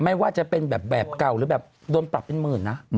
ไม่ว่าจะเป็นแบบเก่าหรือแบบโดนปรับเป็นหมื่นนะ